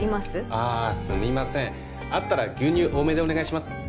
ああすみませんあったら牛乳多めでお願いします